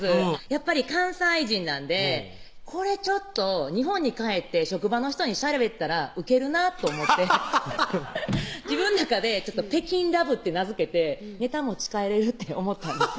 やっぱり関西人なんでこれちょっと日本に帰って職場の人にしゃべったらウケるなと思ってハハハハッ自分の中で「北京ラブ」って名付けてネタ持ち帰れるって思ったんです